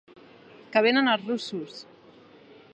Que venen els russos!